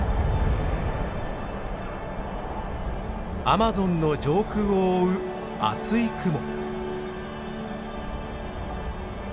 アマゾンの上空を覆う厚い雲。